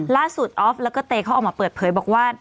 ล่าสุดออฟแล้วก็เตตะวันเขาออกมาเปิดเผยบอกว่า